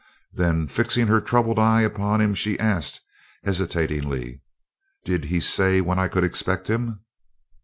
Then, fixing her troubled eyes upon him she asked hesitatingly: "Did he say when I could expect him?"